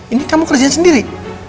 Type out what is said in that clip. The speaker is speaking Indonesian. ini kamu kerja sendiri